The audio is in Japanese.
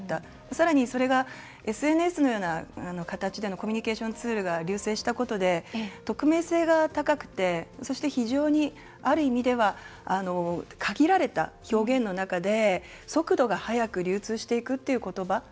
さらにそれがＳＮＳのような形でのコミュニケーションツールがりゅうせいしたことで匿名性が高くてそして非常にある意味では限られた表現の中で速度が速く流通していくという言葉